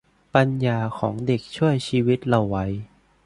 ปัญญาของเด็กช่วยชีวิตเราไว้